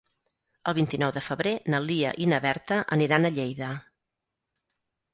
El vint-i-nou de febrer na Lia i na Berta aniran a Lleida.